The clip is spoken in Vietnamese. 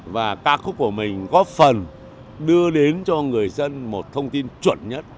và ca khúc của mình góp phần đưa đến cho người dân một thông tin chuẩn nhất